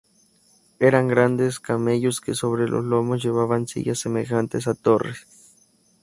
Eran grandes camellos que sobre los lomos llevaban sillas semejantes a torres.